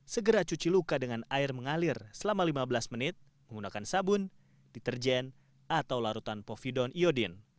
segera cuci luka dengan air mengalir selama lima belas menit menggunakan sabun deterjen atau larutan povidon iodine